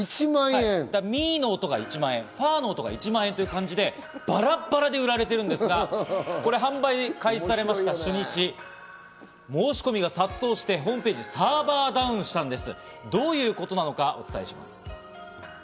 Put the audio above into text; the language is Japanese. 「ミ」の音が１万円、「ファ」の音が１万円ということでバラバラで売られているんですが、これ販売開始されました初日、申し込みが殺到して、ホームページのサーバーがダウンしたんです。